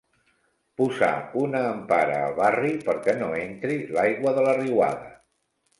Posar una empara al barri perquè no entri l'aigua de la riuada.